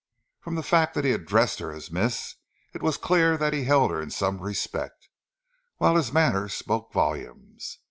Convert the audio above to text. From the fact that he addressed her as miss, it was clear that he held her in some respect, whilst his manner spoke volumes.